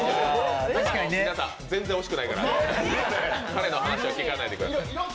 皆さん、全然惜しくないから彼の話は聞かないでくださいね。